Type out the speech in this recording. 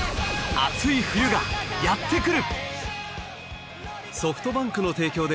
熱い冬がやってくる！